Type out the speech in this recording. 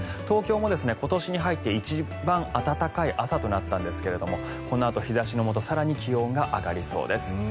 東京も今年に入って一番暖かい朝となったんですがこのあと、日差しのもと更に気温が上がりそうです。